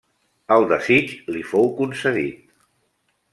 El desig li fou concedit.